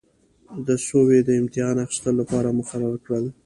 د سویې د امتحان اخیستلو لپاره مقرر کړل.